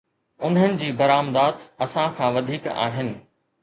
انهن جي برآمدات اسان کان وڌيڪ آهن.